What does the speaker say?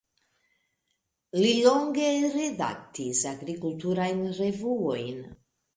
Li longe redaktis agrikulturajn revuojn.